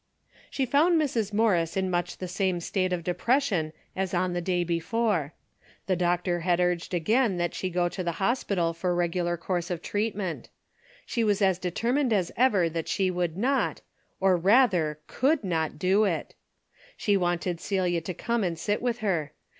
She found Mrs. Morris in much the same state of depression as on the day before. The doctor had urged again that she go to the hos pital for regular course of treatment. She 50 A DAILY BATE:'^ was as determined as ever that she would not, or rather coidd not do it. She wanted Celia to come and sit with her.